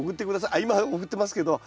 あっ今送ってますけど。